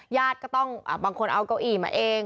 ญาติก็ต้องบางคนเอาเก้าอี้มาเอง